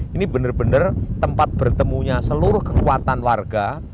ini benar benar tempat bertemunya seluruh kekuatan warga